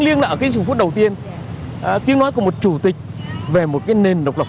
lòng ta chung một thủ đô